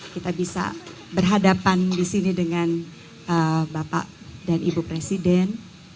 kita bisa berhadapan di sini dengan bapak dan ibu presiden